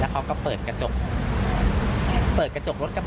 แล้วก็แยกย้ายกันไปเธอก็เลยมาแจ้งความ